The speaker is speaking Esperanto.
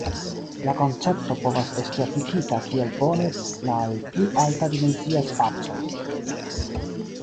La koncepto povas esti aplikita kiel bone al pli alta-dimensia spaco.